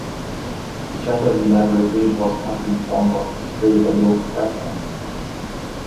The Chapel's elaborate reinforced concrete formwork was created by local craftsmen.